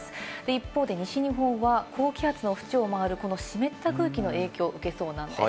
一方で西日本は高気圧の縁を回る、この湿った空気の影響を受けそうなんです。